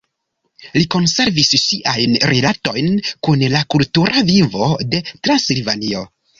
Li konservis siajn rilatojn kun la kultura vivo de Transilvanio.